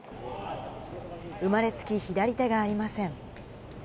生まれつき左手がありません。